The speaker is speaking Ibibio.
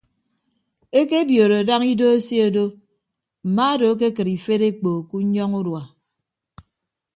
Ekebiodo daña ido eseedo mma odo akekịd ifed ekpo ke nnyọñọ udua.